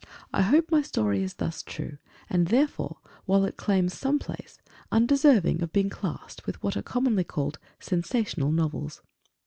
I hope my story is thus true; and therefore, while it claims some place, undeserving of being classed with what are commonly called _sensational novels.